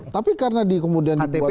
tapi karena dikemudian dibuat segala macam